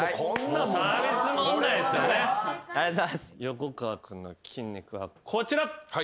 横川君の筋肉はこちら。